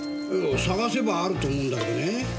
探せばあると思うんだけどね。